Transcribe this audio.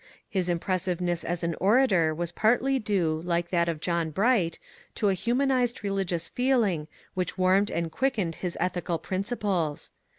His impressiveness as an orator was partly due, like that of John Bright, to a hu manized religious feeling which warmed and quickened his ethical principles.